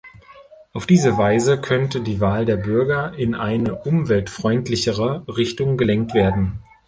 Auf diese Weise könnte die Wahl der Bürger in eine umweltfreundlichere Richtung gelenkt werden.